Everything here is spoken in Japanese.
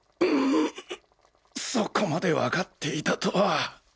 そこまでわかっていたとは。